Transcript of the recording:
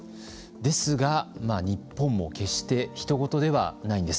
ですが、日本も決してひと事ではないんです。